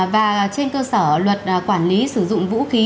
và trên cơ sở luật quản lý sử dụng vũ khí